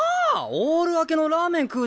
オール明けのラーメン食う